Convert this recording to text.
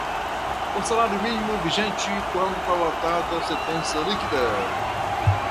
o salário-mínimo vigente quando prolatada sentença líquida